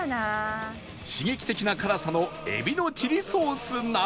刺激的な辛さのエビのチリソースなど